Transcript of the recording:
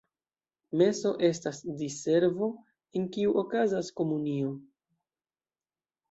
Meso estas diservo, en kiu okazas komunio.